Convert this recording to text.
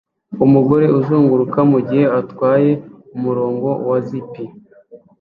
Umugore azunguruka mugihe atwaye umurongo wa zip